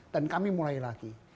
dan kami mulai lagi